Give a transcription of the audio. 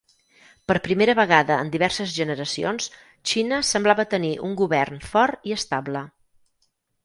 Per primera vegada en diverses generacions, Xina semblava tenir un govern fort i estable.